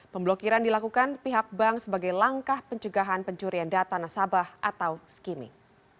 pemblokiran dilakukan pihak bank sebagai langkah pencegahan pencurian data nasabah atau skimming